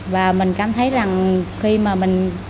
và mình cảm thấy rằng khi mà mình